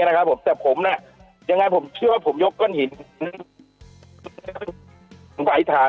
นะครับผมแต่ผมน่ะยังไงผมเชื่อว่าผมยกก้อนหินผมก็อธิษฐาน